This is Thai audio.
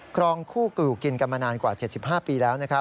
ครองคู่อยู่กินกันมานานกว่า๗๕ปีแล้ว